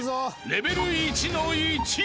［レベル１の１］